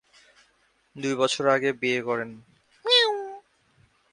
দুই বছর আগে বিয়ে করেন।